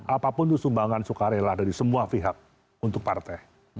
apapun itu sumbangan sukarela dari semua pihak untuk partai